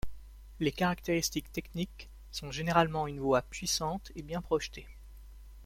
Les caractéristiques techniques sont généralement une voix puissante et bien projetée.